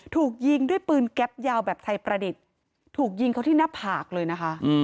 ถูกยิงด้วยปืนแก๊ปยาวแบบไทยประดิษฐ์ถูกยิงเขาที่หน้าผากเลยนะคะ